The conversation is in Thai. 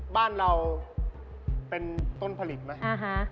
บ้านเราเป็นต้นผลิตไหม